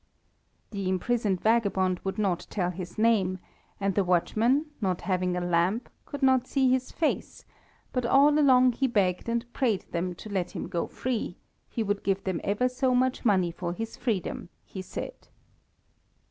The imprisoned vagabond would not tell his name, and the watchmen, not having a lamp, could not see his face, but all along he begged and prayed them to let him go free; he would give them ever so much money for his freedom, he said.